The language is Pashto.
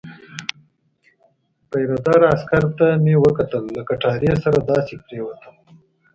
پیره دار عسکر ته مې وکتل، له کټارې سره داسې پرېوتم.